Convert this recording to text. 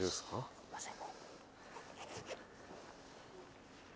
すいません。